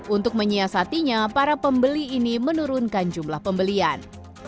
untuk menyiasatinya para pembeli ini menurunkan jumlah pembelian